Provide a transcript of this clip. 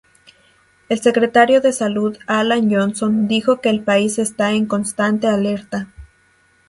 El Secretario de Salud, Alan Johnson dijo que el país está en "constante alerta".